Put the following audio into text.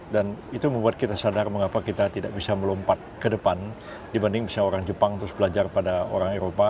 dan itu membuat kita sadar mengapa kita tidak bisa melompat ke depan dibanding bisa orang jepang terus belajar pada orang eropa